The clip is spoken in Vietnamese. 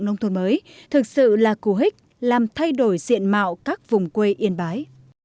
nông thôn mới thực sự là cú hích làm thay đổi diện mạo các vùng quê yên bái